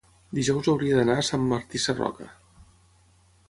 dijous hauria d'anar a Sant Martí Sarroca.